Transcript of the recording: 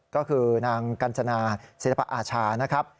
ก็คือนางกัญจนาศิลปอาชา